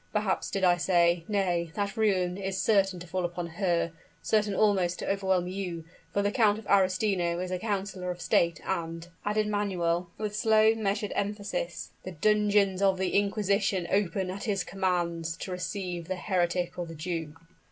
Perhaps, did I say? Nay, that ruin is certain to fall upon her certain also to overwhelm you for the Count of Arestino is a councilor of state, and," added Manuel, with slow, measured emphasis, "the dungeons of the inquisition open at his commands to receive the heretic or the Jew!"